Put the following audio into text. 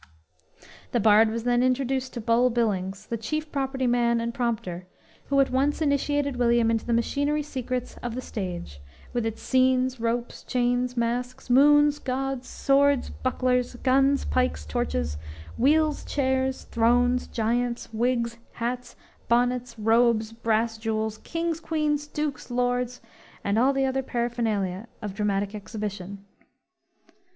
The Bard was then introduced to Bull Billings, the chief property man and prompter, who at once initiated William into the machinery secrets of the stage, with its scenes, ropes, chains, masks, moons, gods, swords, bucklers, guns, pikes, torches, wheels, chairs, thrones, giants, wigs, hats, bonnets, robes, brass jewels, kings, queens, dukes, lords, and all the other paraphernalia of dramatic exhibition.